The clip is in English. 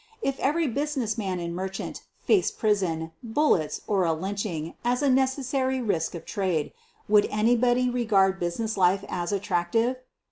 If every business man and merchant faced prison, bullets, or a lynching as a necessary risk of trade, would anybody regard business life as attractive!